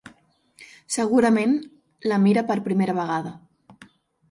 Segurament la mira per primera vegada.